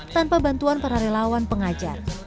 tanpa bantuan para relawan pengajar